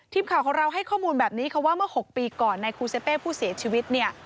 ทีมข่าวของเราให้ข้อมูลแบบนี้ค่ะว่าเมื่อ๖ปีก่อนในคูเซเป้ผู้เสียชีวิตเนี่ย